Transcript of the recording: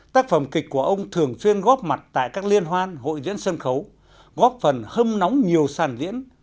tác phẩm kịch của ông thường xuyên góp mặt tại các liên hoan hội diễn sân khấu góp phần hâm nóng nhiều sàn diễn